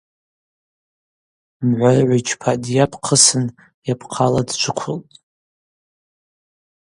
Мгӏварыгӏв йчпатӏ дйапхъысын йапхъала дджвыквылтӏ.